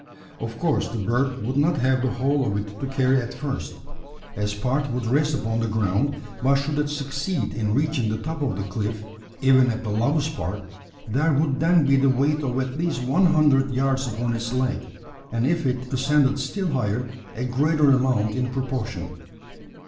Of course, the bird would not have the whole of it to carry at first, as part would rest upon the ground; but should it succeed in reaching the top of the cliff even at the lowest part there would then be the weight of at least one hundred yards upon its leg; and if it ascended still higher, a greater amount in proportion.